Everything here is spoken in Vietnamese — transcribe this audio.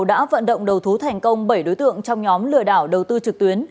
đã vận động đầu thú thành công bảy đối tượng trong nhóm lừa đảo đầu tư trực tuyến